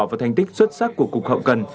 và thành tích xuất sắc của cục hậu cần